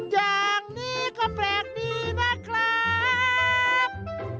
อย่างนี้ก็แปลกดีนะครับ